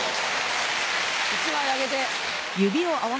１枚あげて。